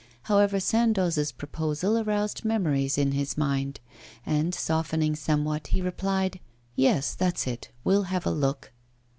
However, Sandoz's proposal aroused memories in his mind; and, softening somewhat, he replied: 'Yes, that's it, we'll have a look.